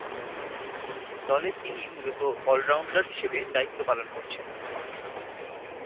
দলে তিনি মূলতঃ অল-রাউন্ডার হিসেবে দায়িত্ব পালন করেছেন।